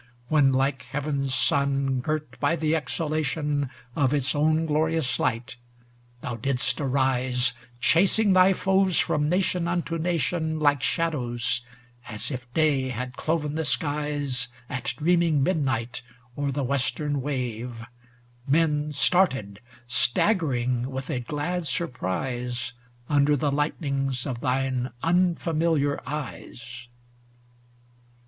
When, like heaven's sun girt by the ex halation Of its own glorious light, thou didst arise, POEMS WRITTEN IN 1820 38s Chasing thy foes from nation unto nation Like shadows: as if day had cloven the skies At dreaming midnight o'er the western wave, Men started, staggering with a glad sur prise, Under the lightnings of thine unfamiliar eyes.